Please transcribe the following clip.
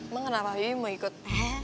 emang kenapa yuy mau ikut